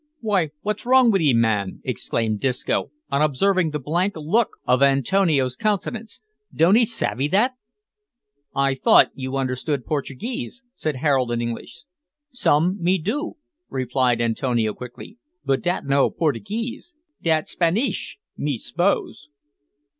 "W'y, wot's wrong with 'ee, man," exclaimed Disco, on observing the blank look of Antonio's countenance; "don't 'ee savay that?" "I thought you understood Portuguese?" said Harold in English. "So me do," replied Antonio quickly; "but dat no Portigeese dat Spanaish, me 'spose."